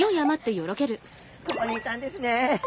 ここにいたんですね。